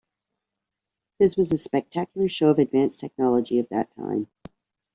This was a spectacular show of advanced technology of that time.